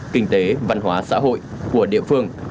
kinh tế văn hóa xã hội của địa phương